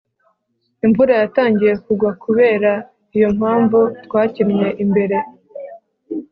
imvura yatangiye kugwa. kubera iyo mpamvu, twakinnye imbere